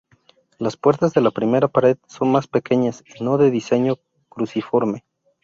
Las puertas de la primera pared son más pequeñas y no de diseño cruciforme.